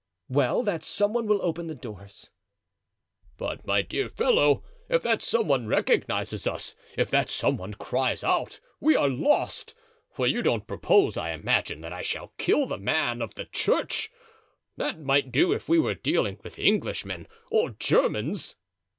"Well, that some one will open the doors." "But, my dear fellow, if that some one recognizes us, if that some one cries out, we are lost; for you don't propose, I imagine, that I shall kill that man of the church. That might do if we were dealing with Englishmen or Germans."